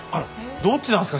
どっちなんですか？